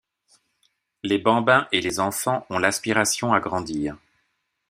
Les bambins et les enfants ont l'aspiration à grandir.